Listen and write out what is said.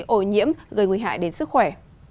ô nhiễm gây nguy hại đến sức khỏe